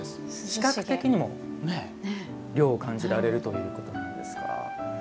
視覚的にも涼を感じられるということなんですか。